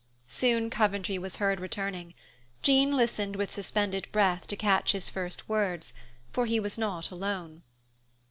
Soon Coventry was heard returning. Jean listened with suspended breath to catch his first words, for he was not alone.